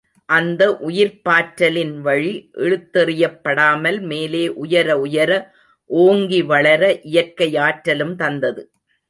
அந்த உயிர்ப்பாற்றலின் வழி இழுத்தெறியப் படாமல் மேலே உயர உயர ஓங்கி வளர, இயற்கை ஆற்றலும் தந்தது.